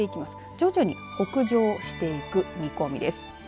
徐々に北上していく見込みです。